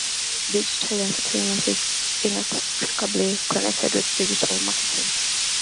Digital entertainment is inextricably connected with digital marketing.